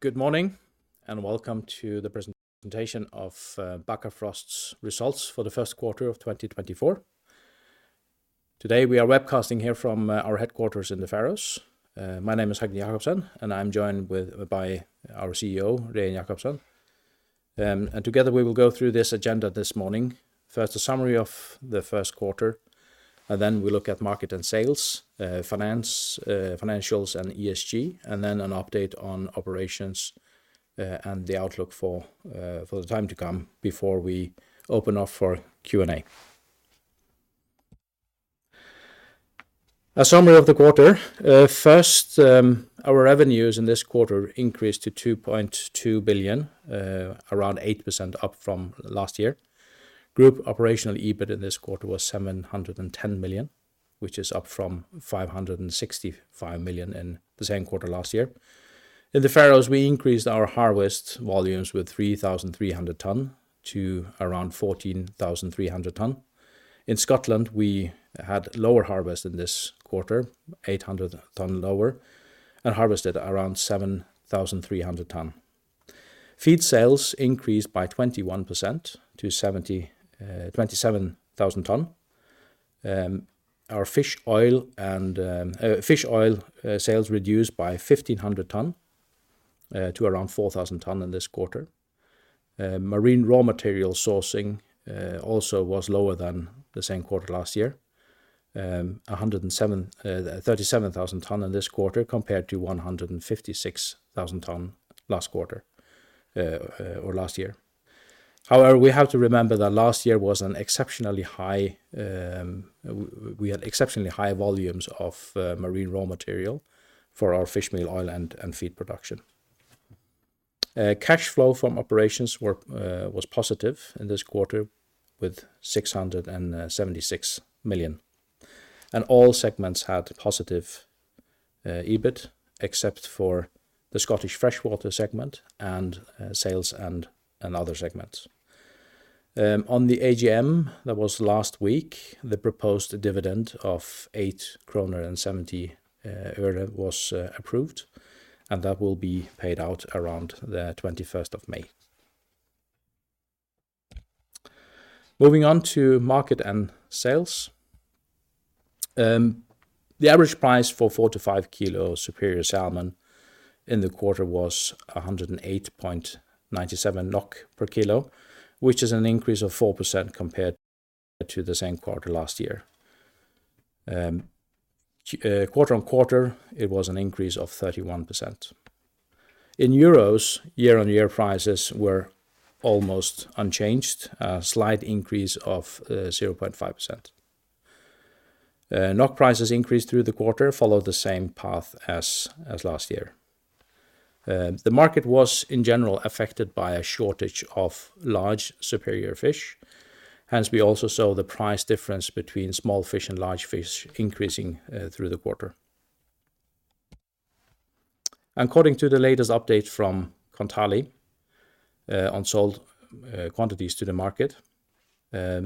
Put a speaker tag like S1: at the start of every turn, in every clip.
S1: Good morning and welcome to the presentation of Bakkafrost's Results for the First Quarter of 2024. Today we are webcasting here from our headquarters in the Faroe Islands. My name is Høgni Jakobsen, and I'm joined by our CEO, Regin Jacobsen. Together we will go through this agenda this morning: first a summary of the first quarter, and then we'll look at market and sales, financials and ESG, and then an update on operations and the outlook for the time to come before we open up for Q&A. A summary of the quarter: first, our revenues in this quarter increased to 2.2 billion, around 8% up from last year. Group operational EBIT in this quarter was 710 million, which is up from 565 million in the same quarter last year. In the Faroe Islands, we increased our harvest volumes with 3,300 tonnes to around 14,300 tonnes. In Scotland, we had lower harvest in this quarter, 800 tonnes lower, and harvested around 7,300 tonnes. Feed sales increased by 21% to 77,000 tonnes. Our fish oil sales reduced by 1,500 tonnes to around 4,000 tonnes in this quarter. Marine raw material sourcing also was lower than the same quarter last year, 137,000 tonnes in this quarter compared to 156,000 tonnes last quarter or last year. However, we have to remember that last year was an exceptionally high we had exceptionally high volumes of marine raw material for our fish meal, oil, and feed production. Cash flow from operations was positive in this quarter with 676 million, and all segments had positive EBIT except for the Scottish freshwater segment and sales and other segments. On the AGM that was last week, the proposed dividend of EUR 8.70 was approved, and that will be paid out around the 21st of May. Moving on to market and sales, the average price for 4-5 kilo superior salmon in the quarter was 108.97 NOK per kilo, which is an increase of 4% compared to the same quarter last year. Quarter-on-quarter, it was an increase of 31%. In euros, year-on-year prices were almost unchanged, a slight increase of 0.5%. NOK prices increased through the quarter, followed the same path as last year. The market was, in general, affected by a shortage of large superior fish. Hence, we also saw the price difference between small fish and large fish increasing through the quarter. According to the latest update from Kontali on sold quantities to the market,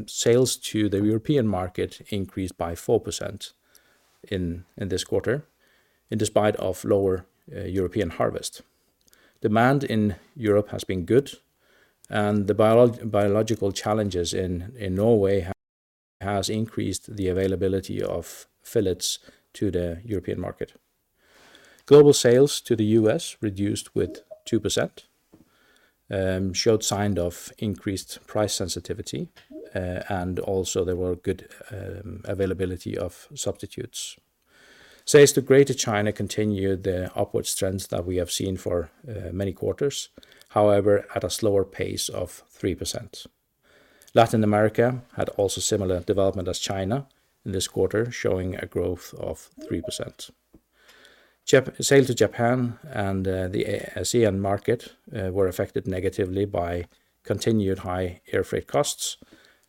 S1: sales to the European market increased by 4% in this quarter, despite lower European harvest. Demand in Europe has been good, and the biological challenges in Norway have increased the availability of fillets to the European market. Global sales to the U.S. reduced with 2%, showed signs of increased price sensitivity, and also there was good availability of substitutes. Sales to Greater China continue the upward trends that we have seen for many quarters, however at a slower pace of 3%. Latin America had also similar development as China in this quarter, showing a growth of 3%. Sales to Japan and the ASEAN market were affected negatively by continued high air freight costs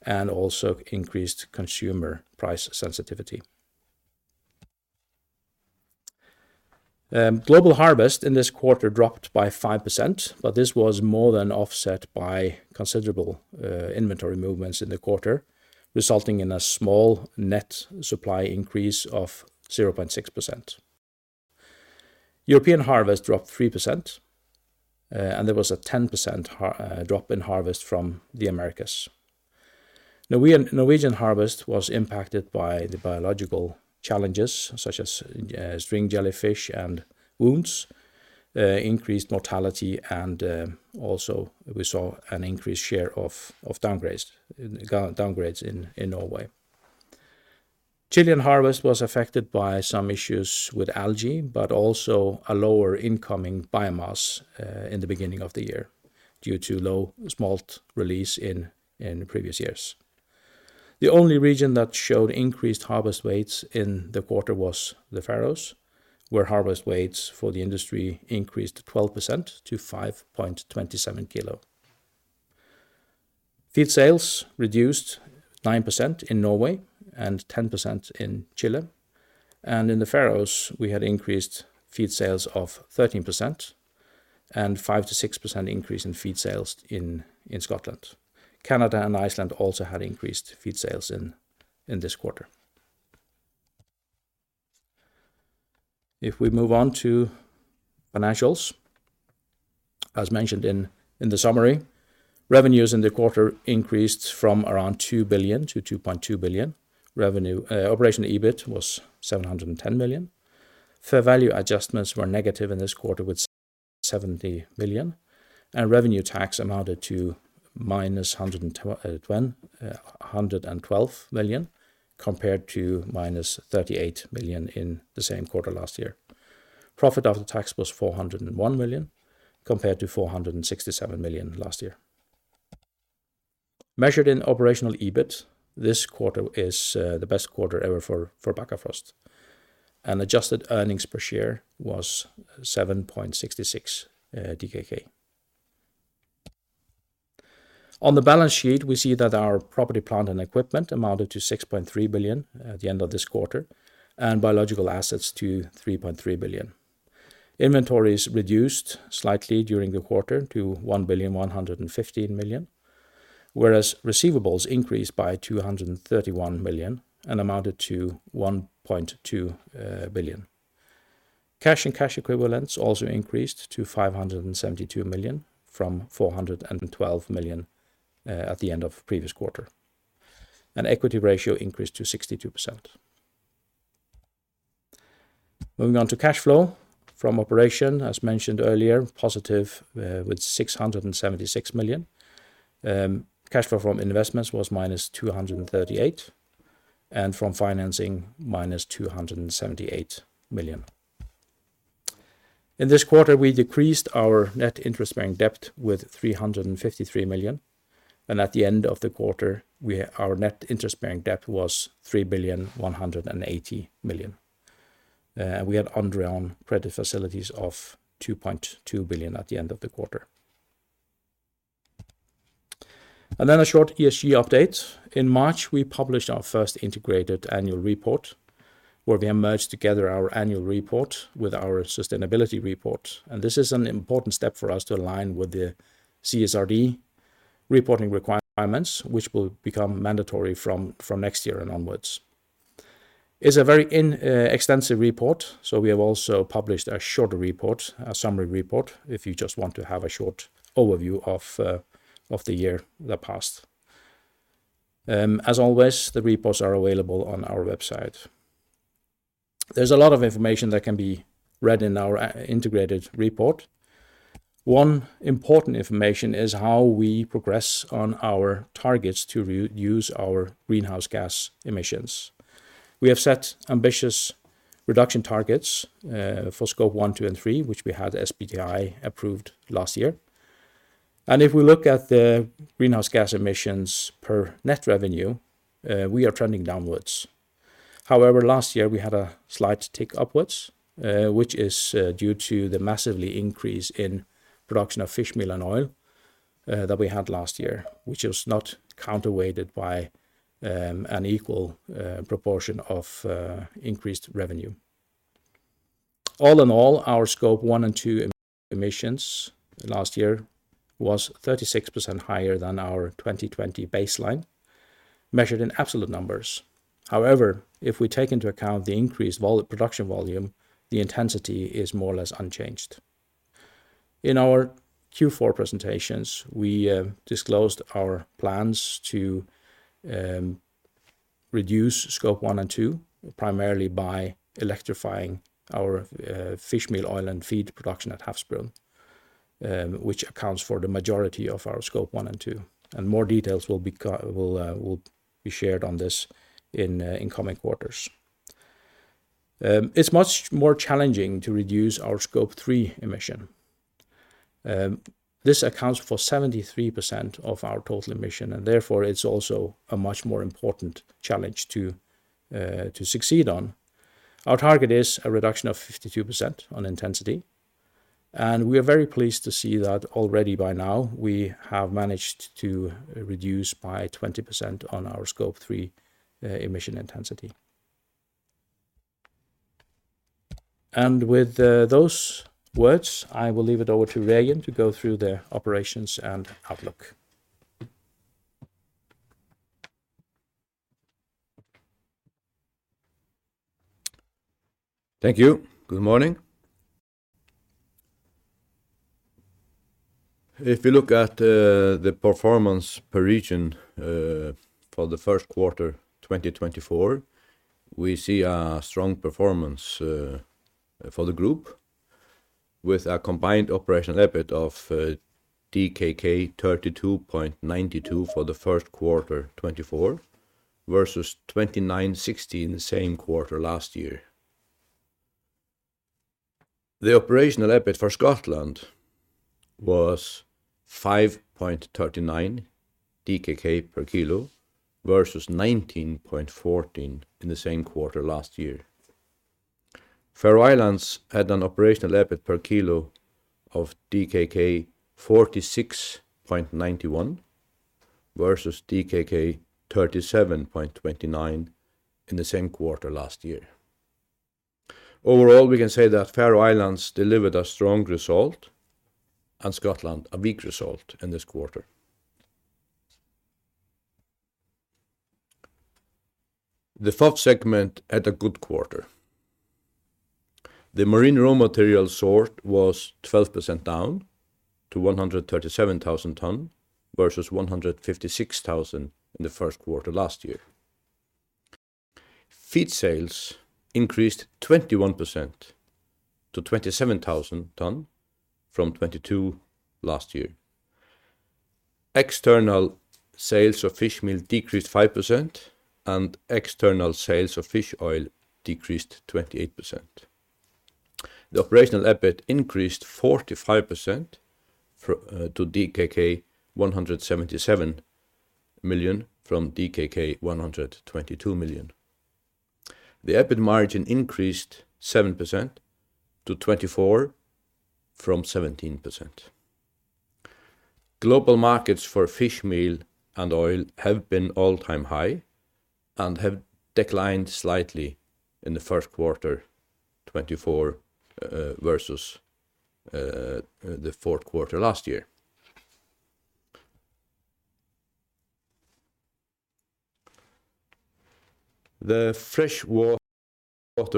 S1: and also increased consumer price sensitivity. Global harvest in this quarter dropped by 5%, but this was more than offset by considerable inventory movements in the quarter, resulting in a small net supply increase of 0.6%. European harvest dropped 3%, and there was a 10% drop in harvest from the Americas. Norwegian harvest was impacted by the biological challenges such as string jellyfish and wounds, increased mortality, and also we saw an increased share of downgrades in Norway. Chilean harvest was affected by some issues with algae, but also a lower incoming biomass in the beginning of the year due to low smolt release in previous years. The only region that showed increased harvest weights in the quarter was the Faroe Islands, where harvest weights for the industry increased 12% to 5.27 kilos. Feed sales reduced 9% in Norway and 10% in Chile, and in the Faroe Islands we had increased feed sales of 13% and 5%-6% increase in feed sales in Scotland. Canada and Iceland also had increased feed sales in this quarter. If we move on to financials, as mentioned in the summary, revenues in the quarter increased from around 2 billion to 2.2 billion. Operational EBIT was 710 million. Fair value adjustments were negative in this quarter with 70 million, and revenue tax amounted to -112 million compared to -38 million in the same quarter last year. Profit after tax was 401 million compared to 467 million last year. Measured in operational EBIT, this quarter is the best quarter ever for Bakkafrost, and adjusted earnings per share was 7.66 DKK. On the balance sheet, we see that our property, plant, and equipment amounted to 6.3 billion at the end of this quarter, and biological assets to 3.3 billion. Inventories reduced slightly during the quarter to 1.115 billion, whereas receivables increased by 231 million and amounted to 1.2 billion. Cash and cash equivalents also increased to 572 million from 412 million at the end of previous quarter, and equity ratio increased to 62%. Moving on to cash flow from operations, as mentioned earlier, positive with 676 million. Cash flow from investments was -238 million, and from financing -278 million. In this quarter, we decreased our net interest-bearing debt with 353 million, and at the end of the quarter, our net interest-bearing debt was 3.180 million. We had undrawn credit facilities of 2.2 billion at the end of the quarter. And then a short ESG update. In March, we published our first integrated annual report, where we merged together our annual report with our sustainability report. This is an important step for us to align with the CSRD reporting requirements, which will become mandatory from next year and onwards. It's a very extensive report, so we have also published a shorter report, a summary report, if you just want to have a short overview of the year that passed. As always, the reports are available on our website. There's a lot of information that can be read in our integrated report. One important information is how we progress on our targets to reduce our greenhouse gas emissions. We have set ambitious reduction targets for Scope 1, 2, and 3, which we had SBTi approved last year. If we look at the greenhouse gas emissions per net revenue, we are trending downwards. However, last year we had a slight tick upwards, which is due to the massive increase in production of fish meal and oil that we had last year, which is not counterweighted by an equal proportion of increased revenue. All in all, our Scope 1 and 2 emissions last year were 36% higher than our 2020 baseline, measured in absolute numbers. However, if we take into account the increased production volume, the intensity is more or less unchanged. In our Q4 presentations, we disclosed our plans to reduce Scope 1 and 2 primarily by electrifying our fish meal, oil, and feed production at Havsbrún, which accounts for the majority of our Scope 1 and 2. More details will be shared on this in coming quarters. It's much more challenging to reduce our Scope 3 emission. This accounts for 73% of our total emission, and therefore it's also a much more important challenge to succeed on. Our target is a reduction of 52% on intensity. We are very pleased to see that already by now, we have managed to reduce by 20% on our Scope 3 emission intensity. With those words, I will leave it over to Regin to go through the operations and outlook.
S2: Thank you. Good morning. If we look at the performance per region for the first quarter 2024, we see a strong performance for the group with a combined operational EBIT of DKK 32.92 for the first quarter 2024 versus 29.60 in the same quarter last year. The operational EBIT for Scotland was 5.39 DKK per kilo versus 19.14 in the same quarter last year. Faroe Islands had an operational EBIT per kilo of DKK 46.91 versus DKK 37.29 in the same quarter last year. Overall, we can say that Faroe Islands delivered a strong result and Scotland a weak result in this quarter. The FOF segment had a good quarter. The marine raw material stock was 12% down to 137,000 tonnes versus 156,000 in the first quarter last year. Feed sales increased 21% to 27,000 tonnes from 22,000 tonnes last year. External sales of fish meal decreased 5%, and external sales of fish oil decreased 28%. The operational EBIT increased 45% to DKK 177 million from DKK 122 million. The EBIT margin increased 7% to 24% from 17%. Global markets for fish meal and oil have been all-time high and have declined slightly in the first quarter 2024 versus the fourth quarter last year. The freshwater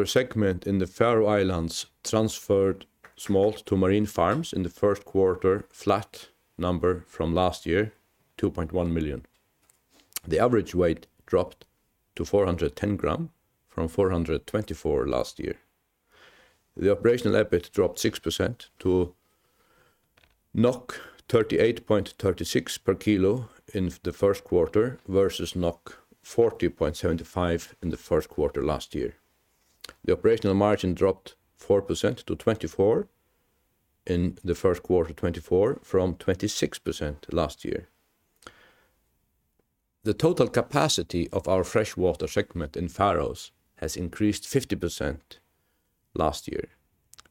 S2: segment in the Faroe Islands transferred smolt to marine farms in the first quarter, flat number from last year, 2.1 million. The average weight dropped to 410 grams from 424 last year. The operational EBIT dropped 6% to 38.36 per kilo in the first quarter versus 40.75 in the first quarter last year. The operational margin dropped 4% - 24% in the first quarter 2024 from 26% last year. The total capacity of our freshwater segment in Faroe Islands has increased 50% last year,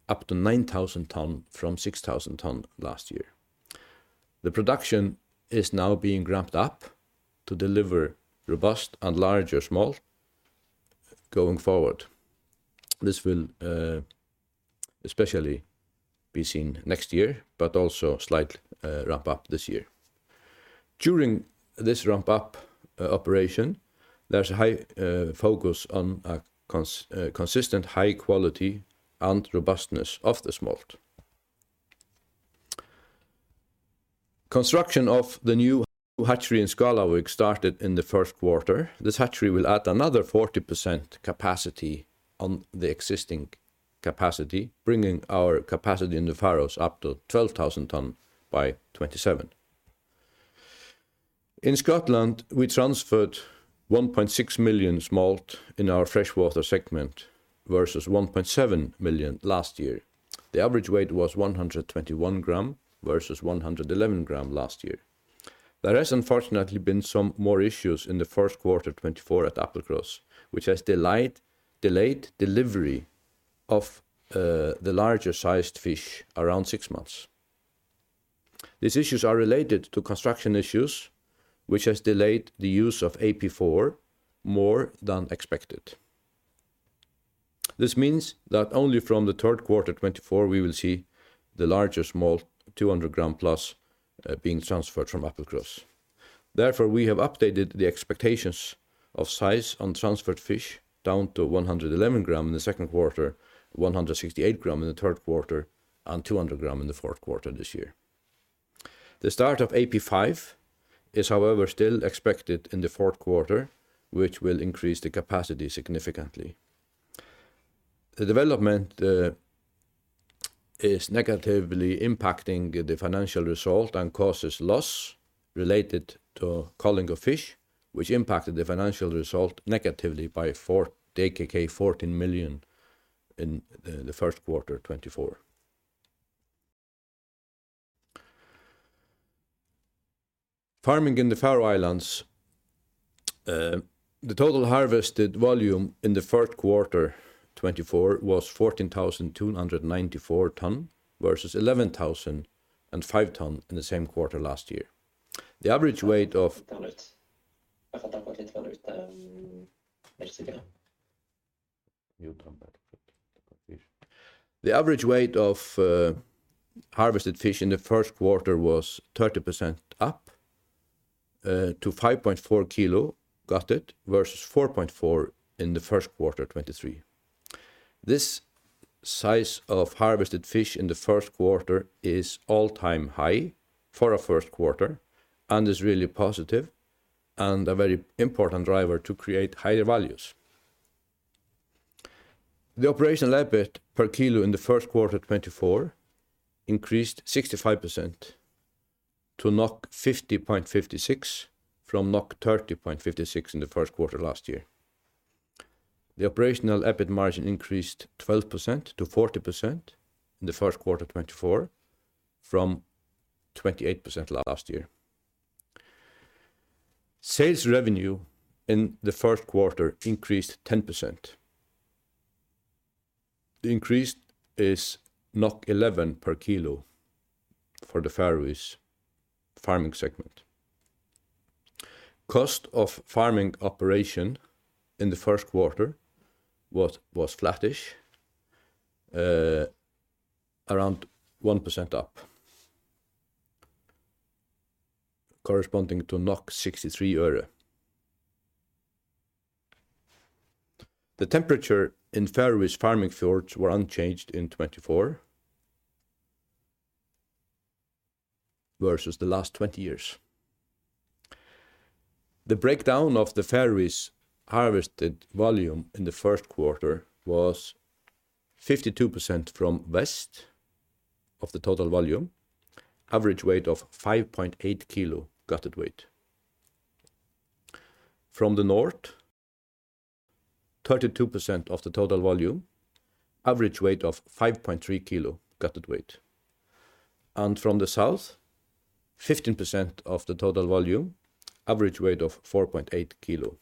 S2: up to 9,000 tonnes from 6,000 tonnes last year. The production is now being ramped up to deliver robust and larger smolt going forward. This will especially be seen next year, but also slightly ramp up this year. During this ramp-up operation, there's a high focus on a consistent high quality and robustness of the smolt. Construction of the new hatchery in Skálavík started in the first quarter. This hatchery will add another 40% capacity on the existing capacity, bringing our capacity in the Faroe Islands up to 12,000 tonnes by 2027. In Scotland, we transferred 1.6 million smolt in our freshwater segment versus 1.7 million last year. The average weight was 121 grams versus 111 grams last year. There has unfortunately been some more issues in the first quarter 2024 at Applecross, which has delayed delivery of the larger-sized fish around six months. These issues are related to construction issues, which has delayed the use of AP4 more than expected. This means that only from the third quarter 2024, we will see the larger smolt, 200 grams plus, being transferred from Applecross. Therefore, we have updated the expectations of size on transferred fish down to 111 grams in the second quarter, 168 grams in the third quarter, and 200 grams in the fourth quarter this year. The start of AP5 is, however, still expected in the fourth quarter, which will increase the capacity significantly. The development is negatively impacting the financial result and causes loss related to culling of fish, which impacted the financial result negatively by 14 million in the first quarter 2024. Farming in the Faroe Islands, the total harvested volume in the first quarter 2024 was 14,294 tonnes versus 11,005 tonnes in the same quarter last year. The average weight of harvested fish in the first quarter was 30% up to 5.4 kilos gutted versus 4.4 in the first quarter 2023. This size of harvested fish in the first quarter is all-time high for our first quarter and is really positive and a very important driver to create higher values. The operational EBIT per kilo in the first quarter 2024 increased 65% to 50.56 from 30.56 in the first quarter last year. The operational EBIT margin increased 12% - 40% in the first quarter 2024 from 28% last year. Sales revenue in the first quarter increased 10%. The increase is 11 per kilo for the Faroese farming segment. Cost of farming operation in the first quarter was flattish, around 1% up, corresponding to NOK 0.63. The temperature in Faroese farming fjords was unchanged in 2024 versus the last 20 years. The breakdown of the Faroese harvested volume in the first quarter was 52% from west of the total volume, average weight of 5.8 kilos gutted weight. From the north, 32% of the total volume, average weight of 5.3 kilos gutted weight. And from the south, 15% of the total volume, average weight of 4.8 kilos.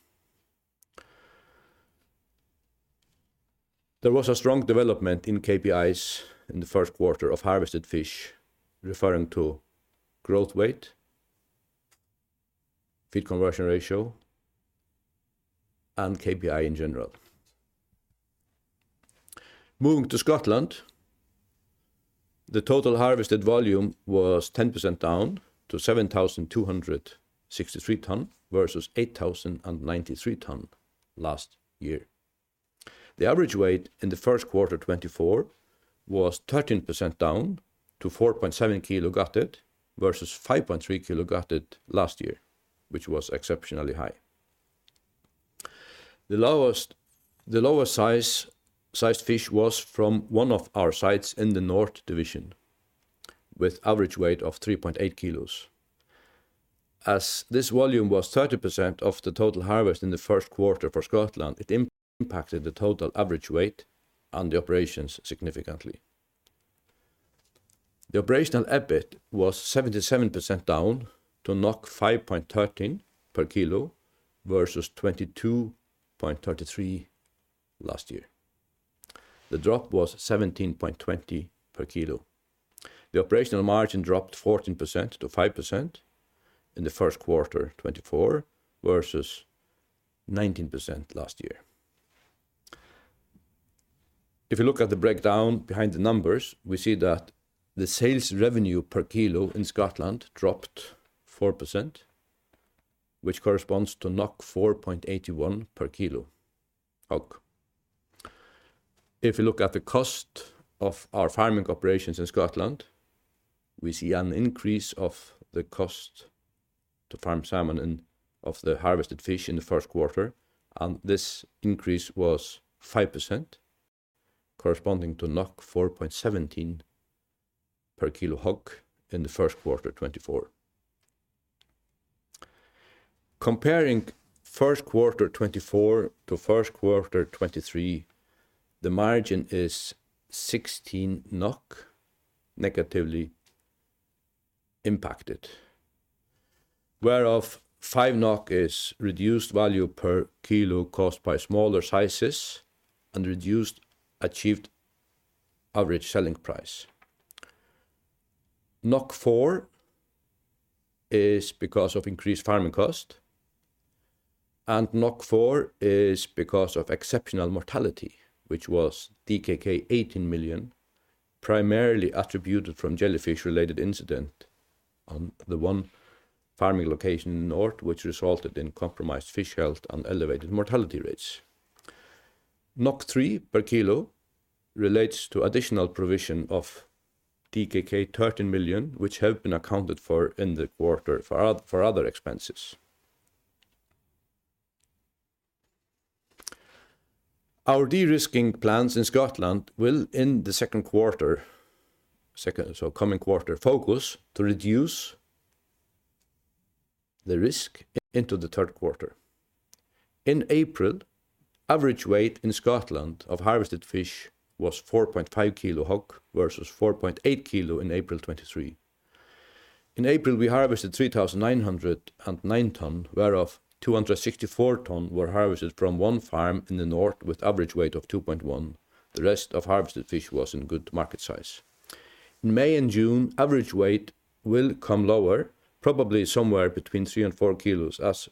S2: There was a strong development in KPIs in the first quarter of harvested fish, referring to growth weight, feed conversion ratio, and KPI in general. Moving to Scotland, the total harvested volume was 10% down to 7,263 tonnes versus 8,093 tonnes last year. The average weight in the first quarter 2024 was 13% down to 4.7 kilos gutted versus 5.3 kilos gutted last year, which was exceptionally high. The lowest sized fish was from one of our sites in the north division with average weight of 3.8 kilos. As this volume was 30% of the total harvest in the first quarter for Scotland, it impacted the total average weight and the operations significantly. The operational EBIT was 77% down to 5.13 per kilo versus 22.33 last year. The drop was 17.20 per kilo. The operational margin dropped 14% to 5% in the first quarter 2024 versus 19% last year. If you look at the breakdown behind the numbers, we see that the sales revenue per kilo in Scotland dropped 4%, which corresponds to 4.81 per kilo HOG. If you look at the cost of our farming operations in Scotland, we see an increase of the cost to farm salmon of the harvested fish in the first quarter. This increase was 5%, corresponding to 4.17 per kilo HOG in the first quarter 2024. Comparing first quarter 2024 to first quarter 2023, the margin is 16 NOK negatively impacted, whereof 5 NOK is reduced value per kilo caused by smaller sizes and reduced achieved average selling price. 4 is because of increased farming cost. 4 is because of exceptional mortality, which was DKK 18 million, primarily attributed from jellyfish-related incidents on the one farming location in the north, which resulted in compromised fish health and elevated mortality rates. 3 per kilo relates to additional provision of DKK 13 million, which have been accounted for in the quarter for other expenses. Our de-risking plans in Scotland will, in the second quarter, so coming quarter, focus to reduce the risk into the third quarter. In April, average weight in Scotland of harvested fish was 4.5 kilos HOG versus 4.8 kilos in April 2023. In April, we harvested 3,909 tonnes, whereof 264 tonnes were harvested from one farm in the north with average weight of 2.1. The rest of harvested fish was in good market size. In May and June, average weight will come lower, probably somewhere between 3 and 4 kilos, as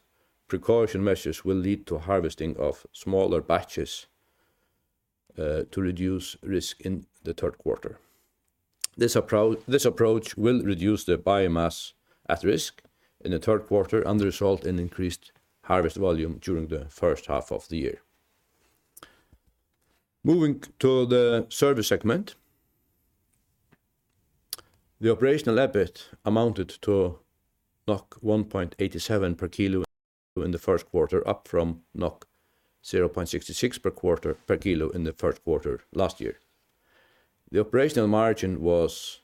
S2: precaution measures will lead to harvesting of smaller batches to reduce risk in the third quarter. This approach will reduce the biomass at risk in the third quarter and result in increased harvest volume during the first half of the year. Moving to the service segment, the operational EBIT amounted to 1.87 per kilo in the first quarter, up from 0.66 per kilo in the first quarter last year. The operational margin was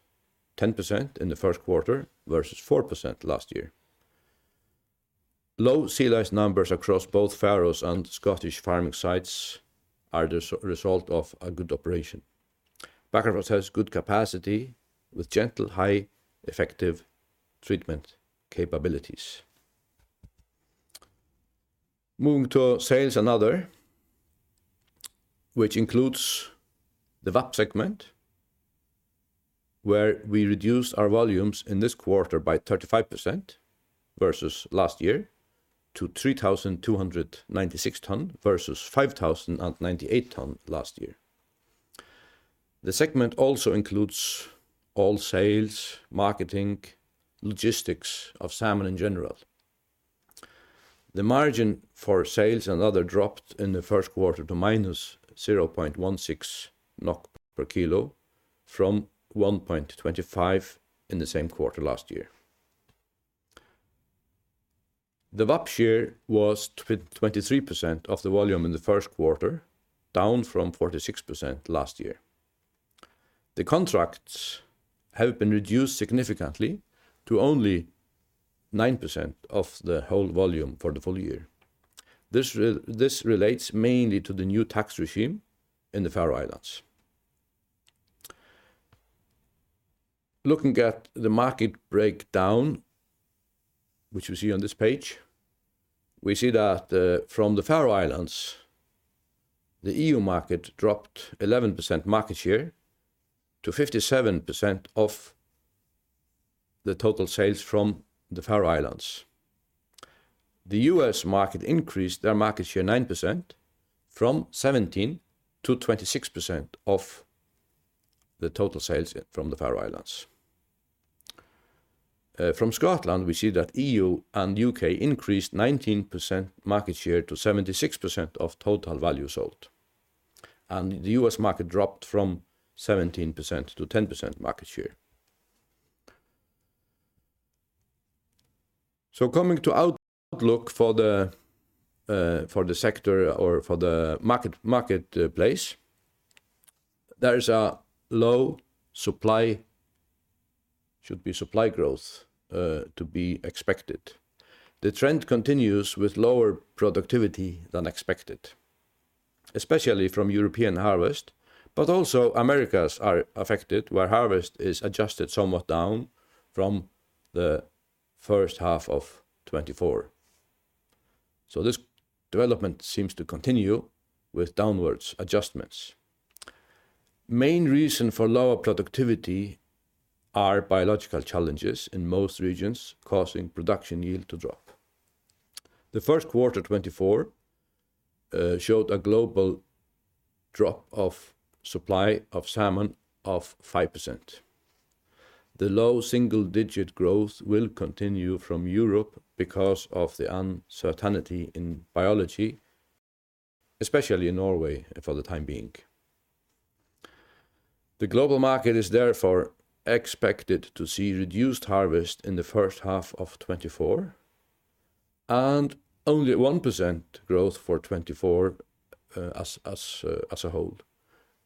S2: 10% in the first quarter versus 4% last year. Low sea-lice numbers across both Faroe Islands and Scottish farming sites are the result of a good operation. Bakkafrost has good capacity with gentle, high-effective treatment capabilities. Moving to sales and other, which includes the VAP segment, where we reduced our volumes in this quarter by 35% versus last year to 3,296 tonnes versus 5,098 tonnes last year. The segment also includes all sales, marketing, logistics of salmon in general. The margin for sales and other dropped in the first quarter to minus 0.16 NOK per kilo from 1.25 in the same quarter last year. The VAP share was 23% of the volume in the first quarter, down from 46% last year. The contracts have been reduced significantly to only 9% of the whole volume for the full year. This relates mainly to the new tax regime in the Faroe Islands. Looking at the market breakdown, which we see on this page, we see that from the Faroe Islands, the E.U. market dropped 11% market share to 57% of the total sales from the Faroe Islands. The U.S. market increased their market share 9% from 17% to 26% of the total sales from the Faroe Islands. From Scotland, we see that E.U. and U.K. increased 19% market share to 76% of total value sold. The U.S. market dropped from 17% - 10% market share. Coming to outlook for the sector or for the marketplace, there is a low supply; supply growth should be expected. The trend continues with lower productivity than expected, especially from European harvest, but also Americas are affected, where harvest is adjusted somewhat down from the first half of 2024. This development seems to continue with downward adjustments. Main reason for lower productivity are biological challenges in most regions, causing production yield to drop. The first quarter 2024 showed a global drop of supply of salmon of 5%. The low single-digit growth will continue from Europe because of the uncertainty in biology, especially in Norway for the time being. The global market is therefore expected to see reduced harvest in the first half of 2024 and only 1% growth for 2024 as a whole,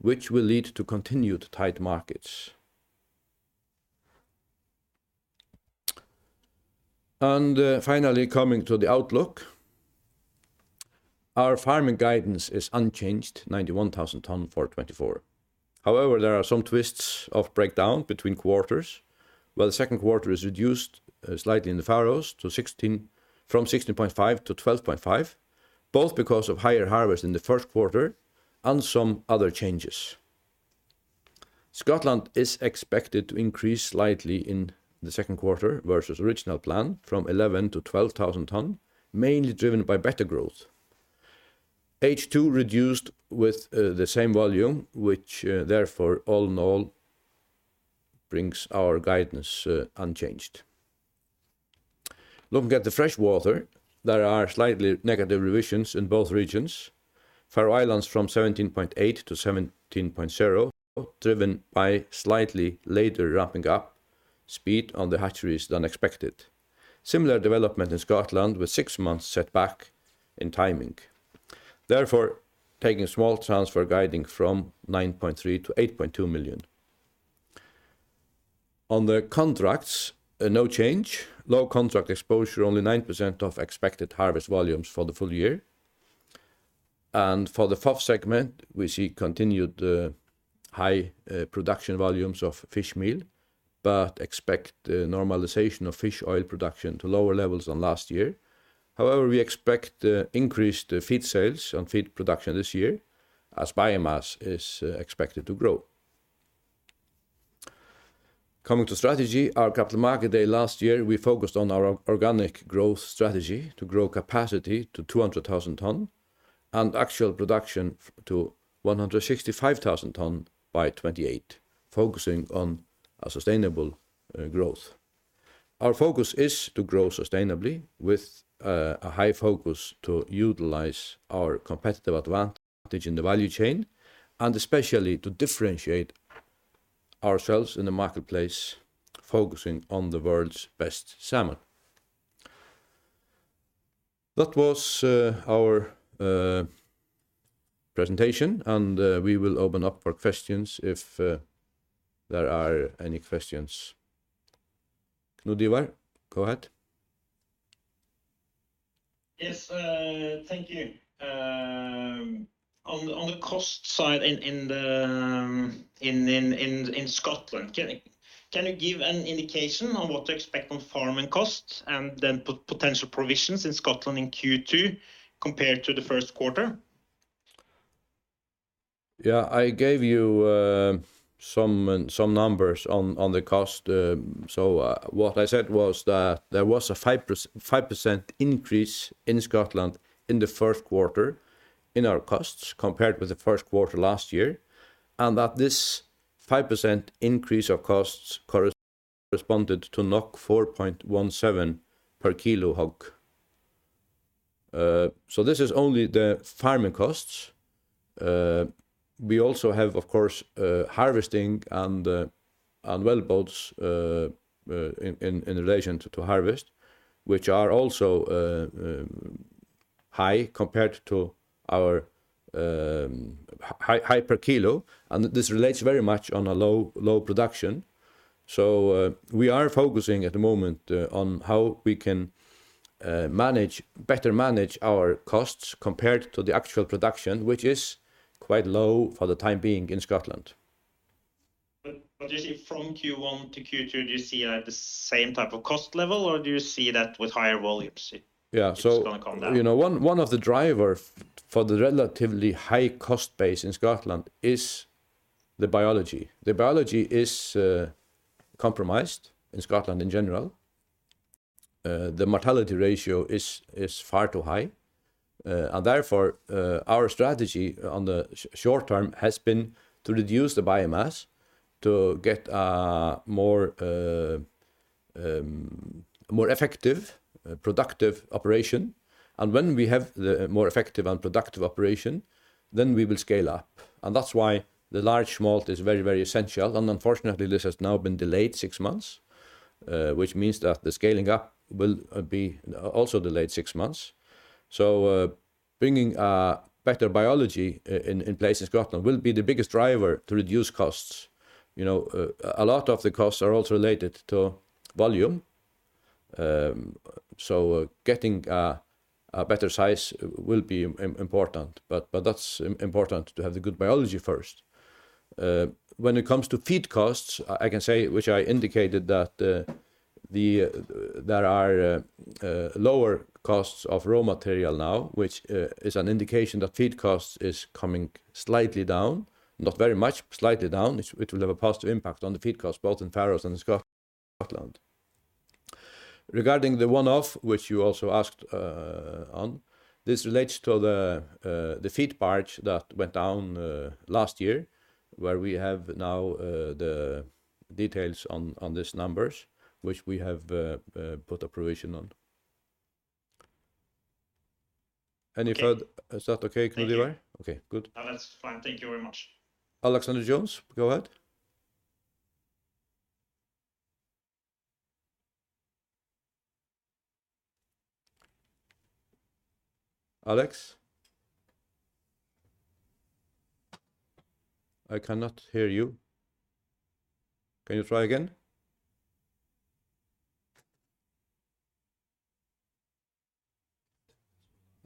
S2: which will lead to continued tight markets. Finally, coming to the outlook, our farming guidance is unchanged, 91,000 tonnes for 2024. However, there are some twists of breakdown between quarters. While the second quarter is reduced slightly in the Faroes from 16.5 to 12.5, both because of higher harvest in the first quarter and some other changes. Scotland is expected to increase slightly in the second quarter versus the original plan from 11,000 to 12,000 tonnes, mainly driven by better growth. H2 reduced with the same volume, which therefore all in all brings our guidance unchanged. Looking at the freshwater, there are slightly negative revisions in both regions. Faroe Islands from 17.8 - 17.0, driven by slightly later ramping up speed on the hatcheries than expected. Similar development in Scotland with six months set back in timing. Therefore, smolt transfer guidance from 9.3 - 8.2 million. On the contracts, no change. Low contract exposure, only 9% of expected harvest volumes for the full year. For the FOF segment, we see continued high production volumes of fishmeal, but expect normalization of fish oil production to lower levels than last year. However, we expect increased feed sales and feed production this year as biomass is expected to grow. Coming to strategy, our capital market day last year, we focused on our organic growth strategy to grow capacity to 200,000 tonnes and actual production to 165,000 tonnes by 2028, focusing on sustainable growth. Our focus is to grow sustainably with a high focus to utilize our competitive advantage in the value chain and especially to differentiate ourselves in the marketplace, focusing on the world's best salmon. That was our presentation. We will open up for questions if there are any questions. Knut-Ivar, go ahead.
S3: Yes, thank you. On the cost side in Scotland, can you give an indication on what to expect on farming costs and then potential provisions in Scotland in Q2 compared to the first quarter?
S2: Yeah, I gave you some numbers on the cost. So what I said was that there was a 5% increase in Scotland in the first quarter in our costs compared with the first quarter last year, and that this 5% increase of costs corresponded to 4.17 per kilo HOG. So this is only the farming costs. We also have, of course, harvesting and wellboats in relation to harvest, which are also high compared to our high per kilo. This relates very much on a low production. So we are focusing at the moment on how we can better manage our costs compared to the actual production, which is quite low for the time being in Scotland.
S3: But do you see from Q1 to Q2, do you see at the same type of cost level, or do you see that with higher volumes?
S2: Yeah, so one of the drivers for the relatively high cost base in Scotland is the biology. The biology is compromised in Scotland in general. The mortality ratio is far too high. Therefore, our strategy on the short term has been to reduce the biomass to get a more effective, productive operation. And when we have the more effective and productive operation, then we will scale up. And that's why the large smolt is very, very essential. And unfortunately, this has now been delayed six months, which means that the scaling up will be also delayed six months. So bringing a better biology in place in Scotland will be the biggest driver to reduce costs. You know, a lot of the costs are also related to volume. So getting a better size will be important. But that's important to have the good biology first. When it comes to feed costs, I can say, which I indicated, that there are lower costs of raw material now, which is an indication that feed costs are coming slightly down, not very much, slightly down. It will have a positive impact on the feed costs, both in Faroe Islands and Scotland. Regarding the one-off, which you also asked on, this relates to the feed barge that went down last year, where we have now the details on these numbers, which we have put a provision on. Any further? Is that okay, Knut-Ivar? Okay, good.
S3: That's fine. Thank you very much. Alexander Jones, go ahead. Alex? I cannot hear you. Can you try again?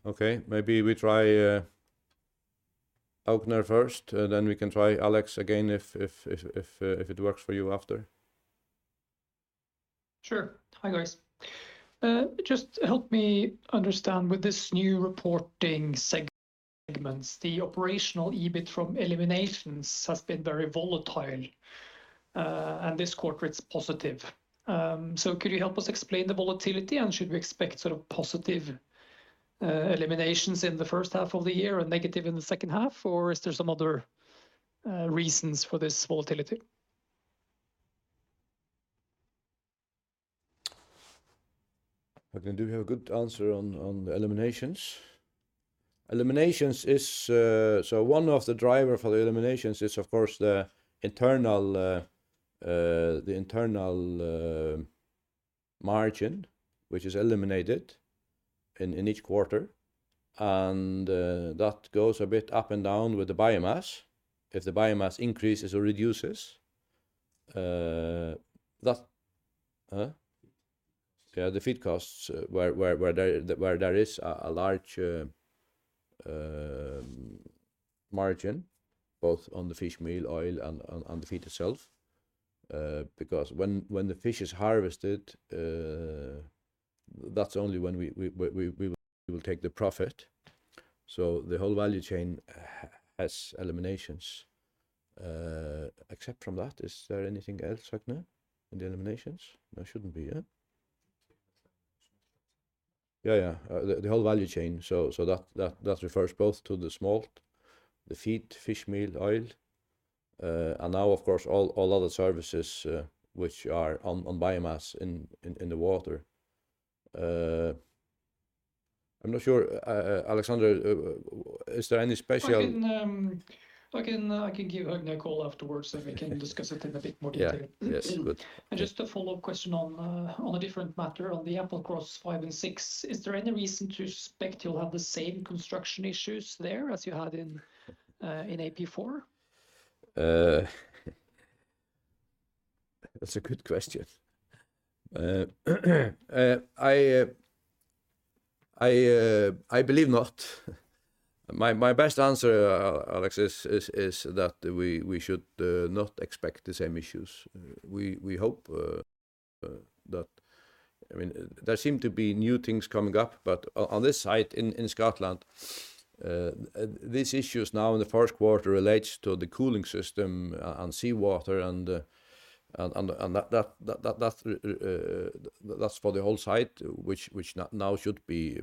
S3: Okay, maybe we try Aukner first, and then we can try Alex again if it works for you after.
S4: Sure. Hi, guys. Just help me understand, with this new reporting segment, the operational EBIT from eliminations has been very volatile, and this quarter it's positive. So could you help us explain the volatility, and should we expect sort of positive eliminations in the first half of the year and negative in the second half, or is there some other reasons for this volatility?
S2: I can do you have a good answer on the eliminations. Eliminations is so one of the drivers for the eliminations is, of course, the internal margin, which is eliminated in each quarter. And that goes a bit up and down with the biomass. If the biomass increases or reduces, yeah, the feed costs, where there is a large margin, both on the fish meal, oil, and the feed itself. Because when the fish is harvested, that's only when we will take the profit. So the whole value chain has eliminations. Except from that, is there anything else, Aukner, in the eliminations? No, shouldn't be, yeah? Yeah, yeah. The whole value chain. So that refers both to the smolt, the feed, fish meal, oil. And now, of course, all other services, which are on biomass in the water. I'm not sure, Alexander, is there any special? I can give Aukner a call afterwards so we can discuss it in a bit more detail. Yes, good. And just a follow-up question on a different matter, on the Applecross 5 and 6. Is there any reason to expect you'll have the same construction issues there as you had in AP4? That's a good question. I believe not. My best answer, Alex, is that we should not expect the same issues. We hope that I mean, there seem to be new things coming up, but on this site in Scotland, these issues now in the first quarter relate to the cooling system and seawater. And that's for the whole site, which now should be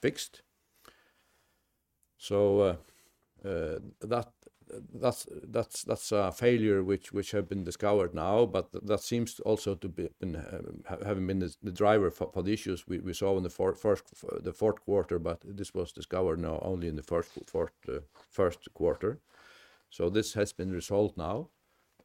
S2: fixed. So that's a failure which has been discovered now, but that seems also to have been the driver for the issues we saw in the fourth quarter, but this was discovered now only in the first quarter. So this has been resolved now.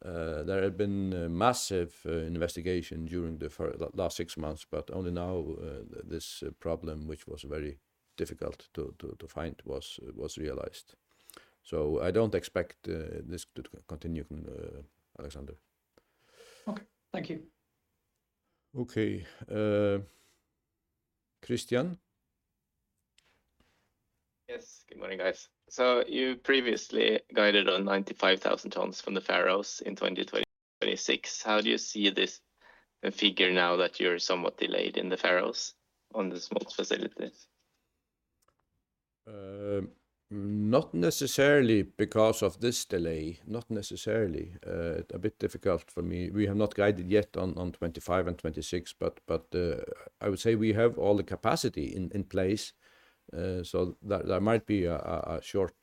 S2: There had been massive investigation during the last six months, but only now this problem, which was very difficult to find, was realized. So I don't expect this to continue, Alexander.
S4: Okay. Thank you.
S2: Okay. Christian?
S5: Yes. Good morning, guys. So you previously guided on 95,000 tonnes from the Faroes in 2026. How do you see the figure now that you're somewhat delayed in the Faroes on the small facilities?
S2: Not necessarily because of this delay. Not necessarily. It's a bit difficult for me. We have not guided yet on 2025 and 2026, but I would say we have all the capacity in place. So there might be a short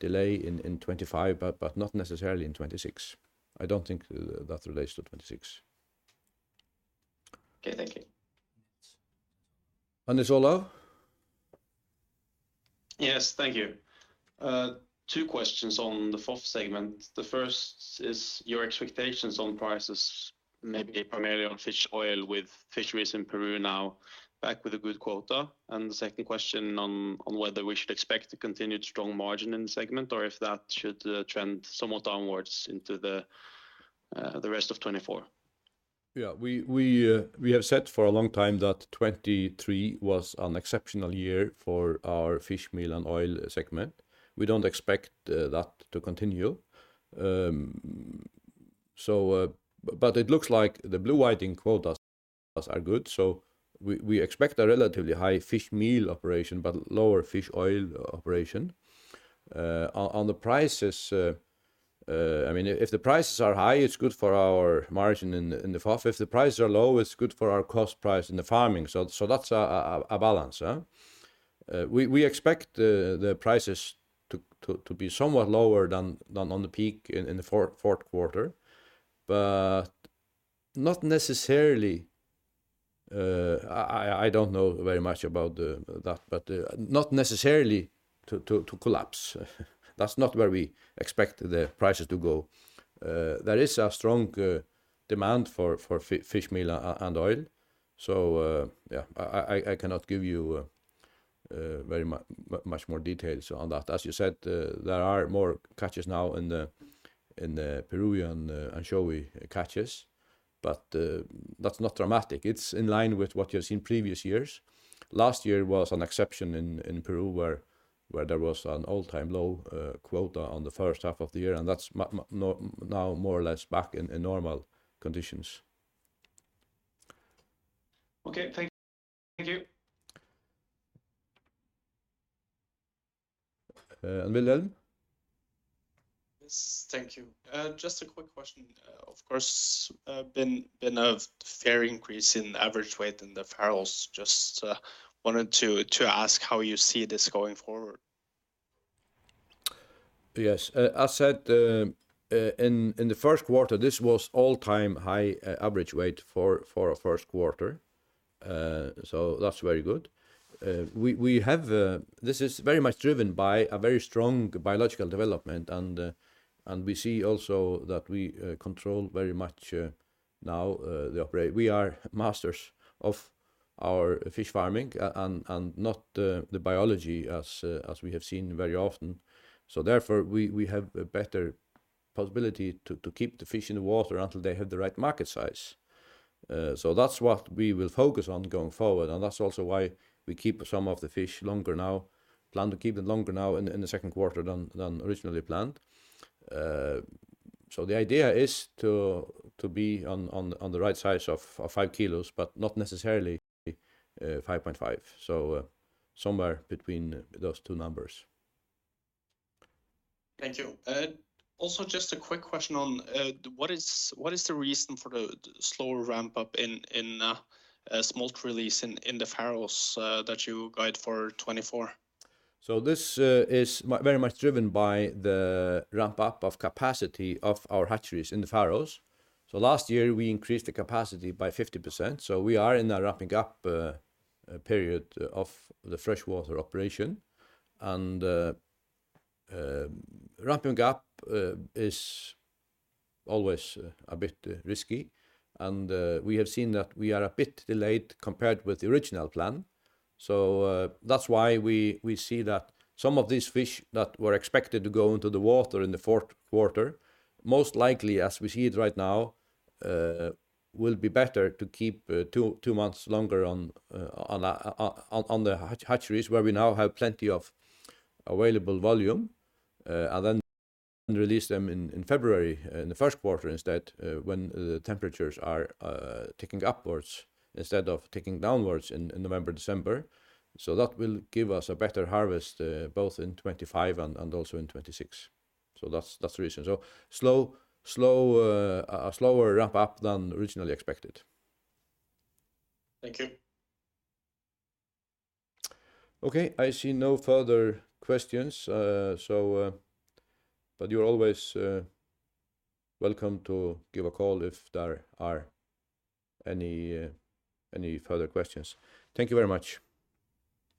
S2: delay in 2025, but not necessarily in 2026. I don't think that relates to 2026.
S5: Okay. Thank you.
S2: Any follow up?
S5: Yes. Thank you. Two questions on the FOF segment. The first is your expectations on prices, maybe primarily on fish oil with fisheries in Peru now back with a good quota. And the second question on whether we should expect a continued strong margin in the segment or if that should trend somewhat downwards into the rest of 2024.
S4: Yeah. We have said for a long time that 2023 was an exceptional year for our fish meal and oil segment. We don't expect that to continue. But it looks like the blue whiting quotas are good. So we expect a relatively high fish meal operation, but lower fish oil operation. On the prices, I mean, if the prices are high, it's good for our margin in the FOF. If the prices are low, it's good for our cost price in the farming. So that's a balance. We expect the prices to be somewhat lower than on the peak in the fourth quarter. But not necessarily. I don't know very much about that, but not necessarily to collapse. That's not where we expect the prices to go. There is a strong demand for fish meal and oil. So yeah, I cannot give you very much more details on that. As you said, there are more catches now in the Peruvian Anchovy catches, but that's not dramatic. It's in line with what you've seen previous years. Last year was an exception in Peru where there was an all-time low quota on the first half of the year. And that's now more or less back in normal conditions.
S5: Okay. Thank you.
S2: And Wilhelm?
S6: Yes. Thank you. Just a quick question. Of course, been a fair increase in average weight in the Faroes. Just wanted to ask how you see this going forward.
S2: Yes. As said, in the first quarter, this was all-time high average weight for our first quarter. So that's very good. This is very much driven by a very strong biological development. We see also that we control very much now the operation. We are masters of our fish farming and not the biology as we have seen very often. Therefore, we have a better possibility to keep the fish in the water until they have the right market size. That's what we will focus on going forward. That's also why we keep some of the fish longer now, plan to keep them longer now in the second quarter than originally planned. The idea is to be on the right size of five kilos, but not necessarily 5.5. Somewhere between those two numbers.
S6: Thank you. Also, just a quick question on what is the reason for the slower ramp-up in smolt release in the Faroes that you guide for 2024?
S2: So this is very much driven by the ramp-up of capacity of our hatcheries in the Faroes. So last year, we increased the capacity by 50%. So we are in a ramping-up period of the freshwater operation. And ramping-up is always a bit risky. And we have seen that we are a bit delayed compared with the original plan. So that's why we see that some of these fish that were expected to go into the water in the fourth quarter, most likely, as we see it right now, will be better to keep two months longer on the hatcheries where we now have plenty of available volume and then release them in February, in the first quarter instead, when the temperatures are ticking upwards instead of ticking downwards in November, December. So that will give us a better harvest both in 2025 and also in 2026. So that's the reason. So a slower ramp-up than originally expected.
S6: Thank you.
S2: Okay. I see no further questions. But you're always welcome to give a call if there are any further questions. Thank you very much.